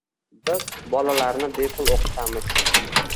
Biz bolalarni bepul o‘qitamiz.